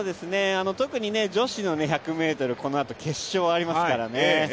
特に女子の１００ｍ、このあと決勝がありますからね。